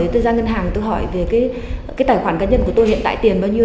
tôi ra ngân hàng tôi hỏi về cái tài khoản cá nhân của tôi hiện tại tiền bao nhiêu